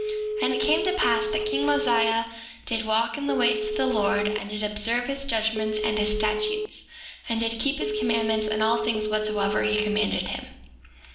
6:6 And it came to pass that king Mosiah did walk in the ways of the Lord, and did observe his judgments and his statutes, and did keep his commandments in all things whatsoever he commanded him.